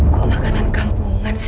kok makanan kampungan sih